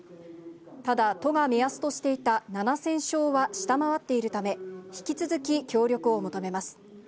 ただ、都が目安としていた７０００床は下回っているため、引き続き協力を求めます。